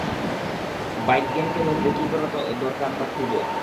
Bike গ্যাংকে ধরতে কী করা দরকার তা খুঁজ।